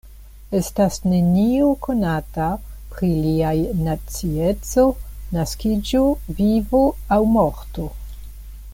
Estas nenio konata pri liaj nacieco, naskiĝo, vivo aŭ morto.